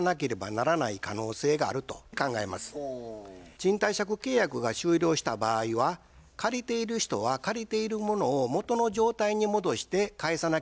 賃貸借契約が終了した場合は借りている人は借りているものを元の状態に戻して返さなければなりません。